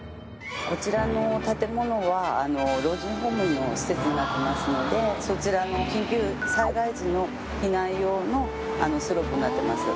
こちらの建物は老人ホームの施設になってますのでそちらの緊急災害時の避難用のスロープになってます。